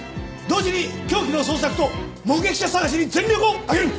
同時に凶器の捜索と目撃者捜しに全力を挙げる！